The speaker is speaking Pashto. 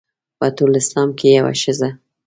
په ټول اسلام کې یوه ښځه.